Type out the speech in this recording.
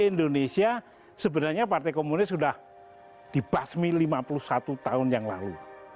indonesia sebenarnya partai komunis sudah dibasmi lima puluh satu tahun yang lalu